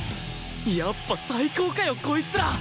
やっぱ最高かよこいつら！